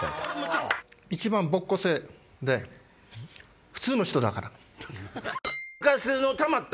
一番没個性で普通の人だから。